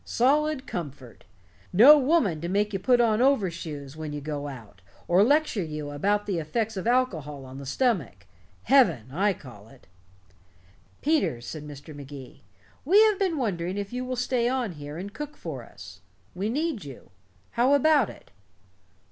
Solid comfort. No woman to make you put on overshoes when you go out, or lecture you about the effects of alcohol on the stomach. Heaven, I call it." "Peters," said Mr. Magee, "we have been wondering if you will stay on here and cook for us. We need you. How about it?"